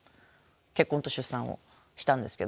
結婚と出産をしたんですけど。